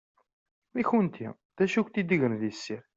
I kunemti, d acu i kwen-t-id-igren di tessirt?